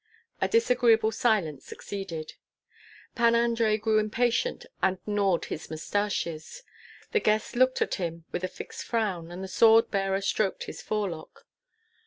A disagreeable silence succeeded. Pan Andrei grew impatient and gnawed his mustaches; the guests looked at him with a fixed frown, and the sword bearer stroked his forelock.